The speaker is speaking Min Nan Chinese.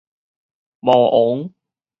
魔王